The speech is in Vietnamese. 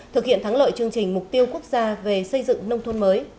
thực hiện thắng lợi chương trình mục tiêu quốc gia về xây dựng nông thôn mới